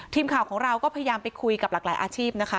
ทีมข่าวของเราก็พยายามไปคุยกับหลากหลายอาชีพนะคะ